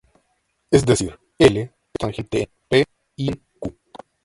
Es decir, "L" es tangente en "P" y en "Q".